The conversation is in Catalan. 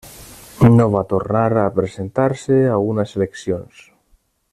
No va tornar a presentar-se a unes eleccions.